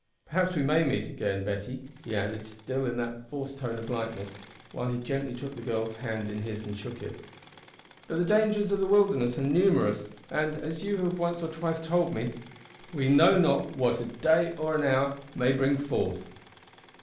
Perhaps we may meet again, Betty," he added, still in the forced tone of lightness, while he gently took the girl's hand in his and shook it; "but the dangers of the wilderness are numerous, and, as you have once or twice told me, we `know not what a day or an hour may bring forth.'"